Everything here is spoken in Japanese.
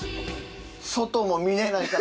外も見えないから。